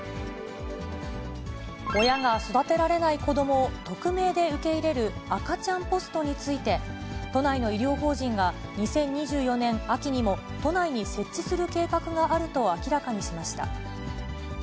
親が育てられない子どもを匿名で受け入れる赤ちゃんポストについて、都内の医療法人が、２０２４年秋にも、都内に設置する計画があると明らかにしました。